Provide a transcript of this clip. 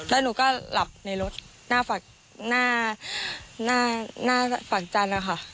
แล้วหนูก็หลับในรถหน้าฝั่งจันทร์นะคะ